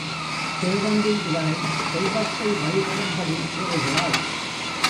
தேவந்தி இவளைத் தெய்வத்தை வழிபடும்படி கூறுகிறாள்.